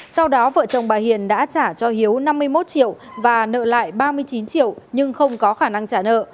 sau đó vợ chồng bà hiền đã trả cho hiếu năm mươi một triệu và nợ lại ba mươi chín triệu nhưng không có khả năng trả nợ